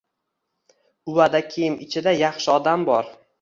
Uvada kiyim ichida yaxshi odam bor